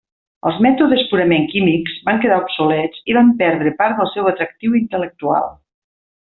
Els mètodes purament químics van quedar obsolets i van perdre part del seu atractiu intel·lectual.